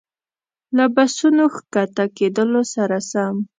له بسونو ښکته کېدلو سره سم.